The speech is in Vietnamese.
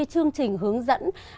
chương trình hướng dẫn